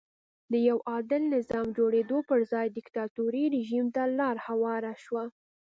د یوه عادل نظام جوړېدو پر ځای دیکتاتوري رژیم ته لار هواره شوه.